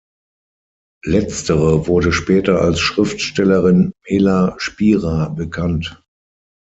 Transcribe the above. Letztere wurde später als Schriftstellerin Mela Spira bekannt.